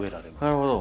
なるほど。